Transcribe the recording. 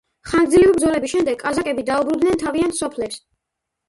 ხანგრძლივი ბრძოლების შემდეგ კაზაკები დაუბრუნდნენ თავის სოფლებს.